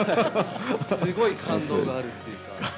すごい感動があるっていうか。